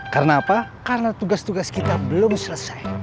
karena apa karena tugas tugas kita belum selesai